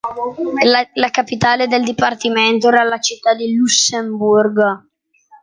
La capitale del dipartimento era la città di Lussemburgo.